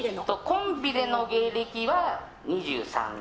コンビでの芸歴は２３年。